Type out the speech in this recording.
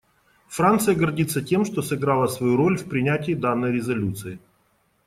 Франция гордится тем, что сыграла свою роль в принятии данной резолюции.